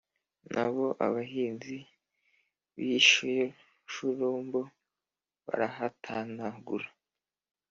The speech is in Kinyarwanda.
na bo abahinzi b'i shurumbo barahatantagura.